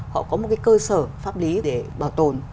họ có một cái cơ sở pháp lý để bảo tồn